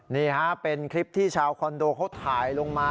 นี่ฮะเป็นคลิปที่ชาวคอนโดเขาถ่ายลงมา